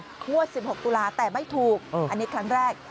งวด๑๖ตุลาแต่ไม่ถูกอันนี้ครั้งแรก